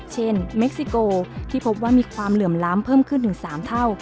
เม็กซิโกที่พบว่ามีความเหลื่อมล้ำเพิ่มขึ้นถึง๓เท่า